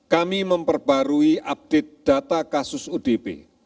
kami memperbarui update data kasus odp